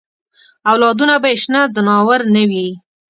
اولادونه به یې شنه ځناور نه وي.